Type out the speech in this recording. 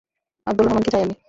আব্দুল রহমানকে চাই আমি।